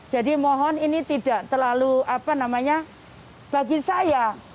jadi mohon ini tidak terlalu bagi saya